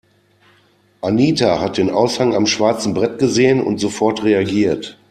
Anita hat den Aushang am schwarzen Brett gesehen und sofort reagiert.